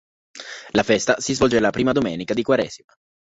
La festa si svolge la prima domenica di quaresima.